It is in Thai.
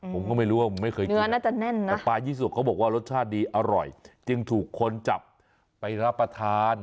ผมก็ไม่รู้ว่ามันไม่เคยกินนะแต่ปลายี่สุกเค้าบอกว่ารสชาติดีอร่อยยังถูกคนจับไปรับประทาน